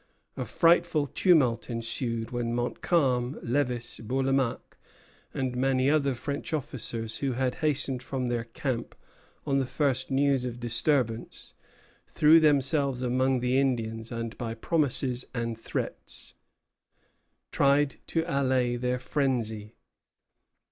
A frightful tumult ensued, when Montcalm, Lévis, Bourlamaque, and many other French officers, who had hastened from their camp on the first news of disturbance, threw themselves among the Indians, and by promises and threats tried to allay their frenzy.